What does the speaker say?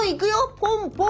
ポンポン。